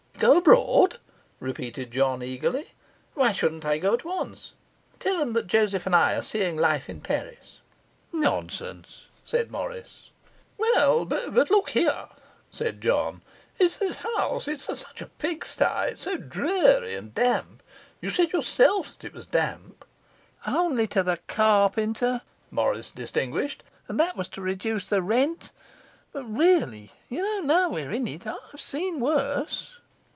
'Go abroad?' repeated John eagerly. 'Why shouldn't I go at once? Tell 'em that Joseph and I are seeing life in Paris.' 'Nonsense,' said Morris. 'Well, but look here,' said John; 'it's this house, it's such a pig sty, it's so dreary and damp. You said yourself that it was damp.' 'Only to the carpenter,' Morris distinguished, 'and that was to reduce the rent. But really, you know, now we're in it, I've seen worse.